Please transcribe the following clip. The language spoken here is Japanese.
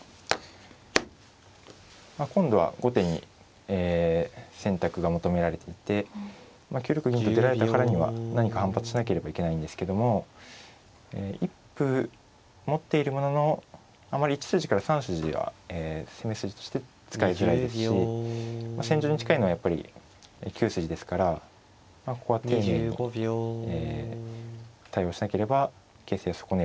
今度は後手に選択が求められていて９六銀と出られたからには何か反発しなければいけないんですけども一歩持っているもののあまり１筋から３筋では攻め筋として使いづらいですし戦場に近いのはやっぱり９筋ですからまあここは丁寧に対応しなければ形勢を損ねると思いますね。